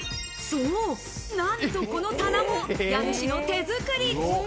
そう、なんとこの棚も家主の手づくり。